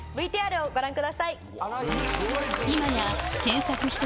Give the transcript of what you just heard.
ＶＴＲをご覧ください。